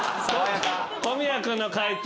小宮君の解答